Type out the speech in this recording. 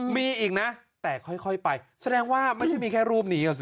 มีอีกนะแต่ค่อยไปแสดงว่าไม่ใช่มีแค่รูปนี้สิ